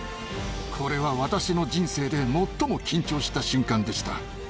これは私の人生で最も緊張した瞬間でした。